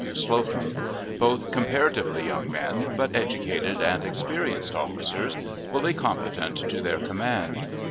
W. Slocum, both comparatively young men, but educated and experienced officers, fully competent to their command.